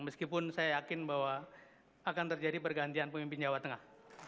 meskipun saya yakin bahwa akan terjadi pergantian pemimpin jawa tengah